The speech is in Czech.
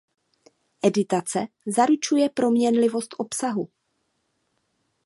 Editace zaručuje proměnlivost obsahu.